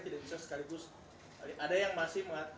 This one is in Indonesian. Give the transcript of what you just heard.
tidak bisa sekaligus ada yang masih